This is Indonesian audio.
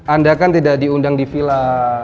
anda kan tidak diundang di villa